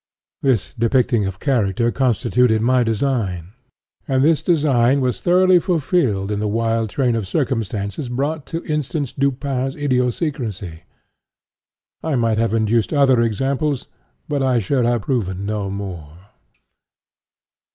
This depicting of character constituted my design; and this design was thoroughly fulfilled in the wild train of circumstances brought to instance Dupin's idiosyncrasy. I might have adduced other examples, but I should have proven no more.